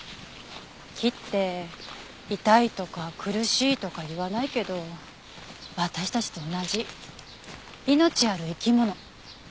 木って痛いとか苦しいとか言わないけど私たちと同じ命ある生き物。